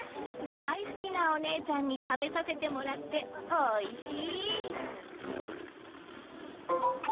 大好きなお姉ちゃんに食べさせてもらっておいしい！